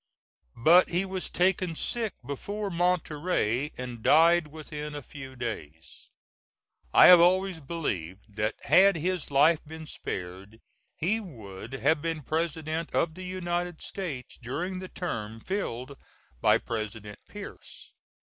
But he was taken sick before Monterey, and died within a few days. I have always believed that had his life been spared, he would have been President of the United States during the term filled by President Pierce.